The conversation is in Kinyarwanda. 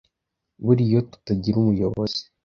buriya iyo tutagira umuyobozi